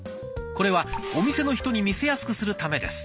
これはお店の人に見せやすくするためです。